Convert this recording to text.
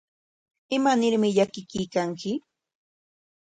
¿Imanarmi llakikuykanki?